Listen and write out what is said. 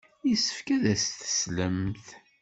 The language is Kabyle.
Yessefk ad as-teslemt.